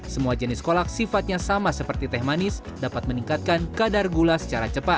semua jenis kolak sifatnya sama seperti teh manis dapat meningkatkan kadar gula secara cepat